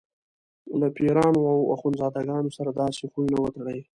له پیرانو او اخندزاده ګانو سره داسې خویونه وتړي.